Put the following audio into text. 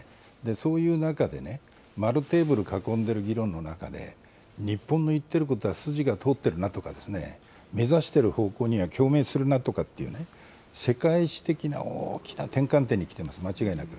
そういう中でね、丸テーブル囲んでる議論の中で、日本の言ってることは筋が通ってるなとか、目指してる方向には共鳴するなとかっていうね、世界史的な大きな転換点に来ています、間違いなく。